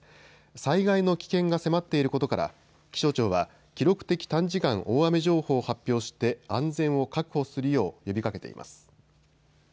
災害の危険が迫っていることから、気象庁は記録的短時間大雨情報を発表して安全を確保するよう呼びかけています。